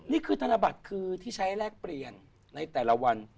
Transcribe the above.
ธนบัตรคือที่ใช้แลกเปลี่ยนในแต่ละวัน